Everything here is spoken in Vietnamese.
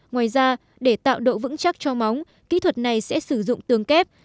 ngoài ra để tạo độ vững chắc cho móng kỹ thuật này sẽ sử dụng tương kép